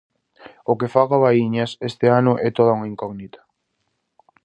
O que faga o Baíñas este ano é toda unha incógnita.